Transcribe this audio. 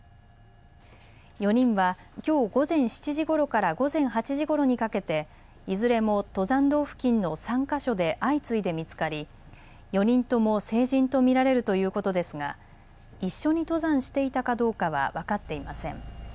４人はきょう午前７時ごろから午前８時ごろにかけていずれも登山道付近の３か所で相次いで見つかり４人とも成人と見られるということですが一緒に登山していたかどうかは分かっていません。